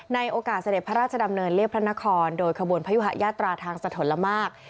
ในโอกาสเสด็จพระราชดำเนินเรียบพระนครโดยขบวนพยุหะยาตราทางสะทนละมาก